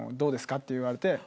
って言われて。